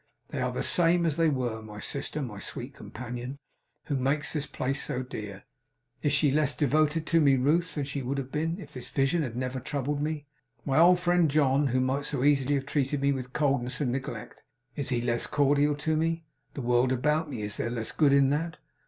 They are the same as they were. My sister, my sweet companion, who makes this place so dear, is she less devoted to me, Ruth, than she would have been, if this vision had never troubled me? My old friend John, who might so easily have treated me with coldness and neglect, is he less cordial to me? The world about me, is there less good in that?